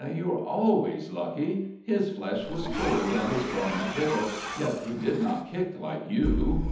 You were always lucky. His flesh was cold and his bones brittle, yet he did not kick like you.